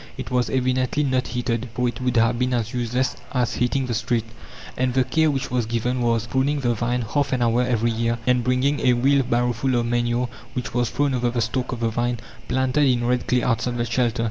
It was evidently not heated, for it would have been as useless as heating the street! And the care which was given was: pruning the vine, half an hour every year; and bringing a wheel barrowful of manure, which was thrown over the stalk of the vine, planted in red clay outside the shelter.